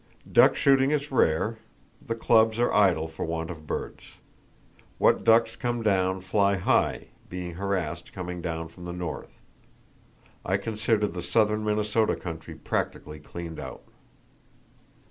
Duck shooting is rare, the clubs are idle for want of birds. What ducks come down fly high, being harassed coming down from the north. I consider the southern Minnesota country practically cleaned out.